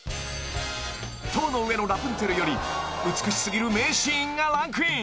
［『塔の上のラプンツェル』より美し過ぎる名シーンがランクイン］